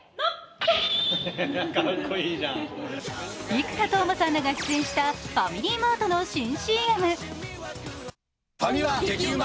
生田斗真さんらが出演したファミリーマートの新ＣＭ。